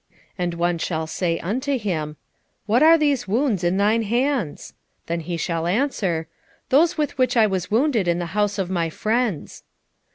13:6 And one shall say unto him, What are these wounds in thine hands? Then he shall answer, Those with which I was wounded in the house of my friends.